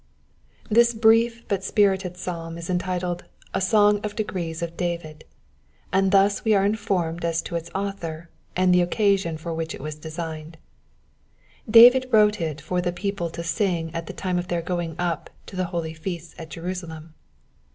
— T^w brief btd spirited Psalm is entitled A Song of Degrees of David," and thus we are informed as io its author, and the occasion for tchich it was desUjned : Damd wrote it for the people to sing at the time of their goings up to the holy feasts at Jerusalem.